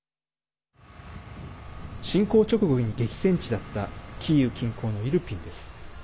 侵攻直後に激戦地だったキーウ近郊のイルピンです。